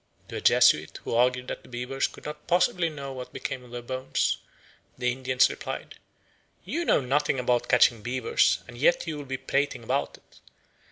To a Jesuit who argued that the beavers could not possibly know what became of their bones, the Indians replied, "You know nothing about catching beavers and yet you will be prating about it.